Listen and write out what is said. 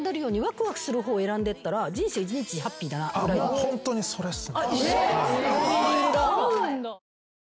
ホントにそれっすね。